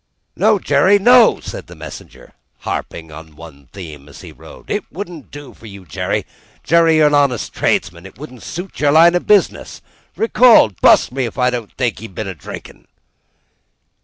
"No, Jerry, no!" said the messenger, harping on one theme as he rode. "It wouldn't do for you, Jerry. Jerry, you honest tradesman, it wouldn't suit your line of business! Recalled ! Bust me if I don't think he'd been a drinking!"